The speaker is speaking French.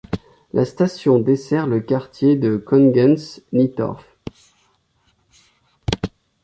La station dessert le quartier de Kongens Nytorv.